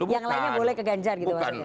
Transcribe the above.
yang lainnya boleh ke ganjar gitu maksudnya